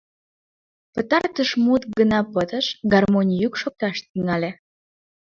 Пытартыш мут гына пытыш — гармонь йӱк шокташ тӱҥале.